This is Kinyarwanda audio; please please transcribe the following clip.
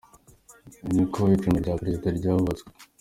Ni uko icumbi rya perezida ryahubatswe.